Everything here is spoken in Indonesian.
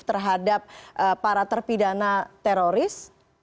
terhadap para terpidana teroris